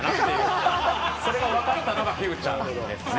それが分かったのが『フューちゃん』ですね。